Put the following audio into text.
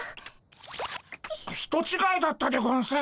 人ちがいだったでゴンス。